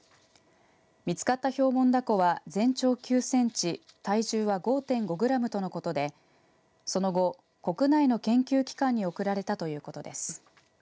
見つかったヒョウモンダコは全長９センチ体重は５．５グラムとのことでその後、国内の研究機関に送られたということです。